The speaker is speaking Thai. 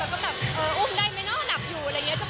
ก็แบบเอออุ้มได้ไหมเนอะหนักอยู่อะไรอย่างนี้